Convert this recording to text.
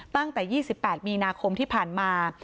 ตั้งแต่๒๘มีนาคมที่ผ่านมา